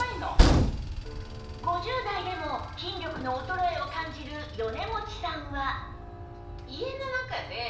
５０代でも筋力の衰えを感じる米持さんは